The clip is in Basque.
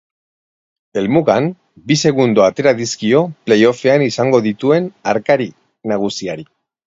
Helmugan, bi segundo atera dizkio playoffean izango duen arkari nagusiari.